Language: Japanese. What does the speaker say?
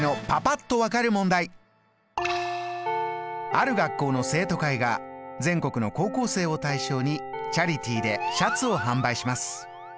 ある学校の生徒会が全国の高校生を対象にチャリティーでシャツを販売します。